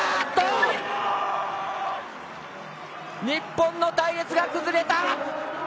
日本の隊列が崩れた。